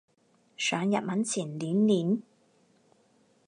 上日文前練練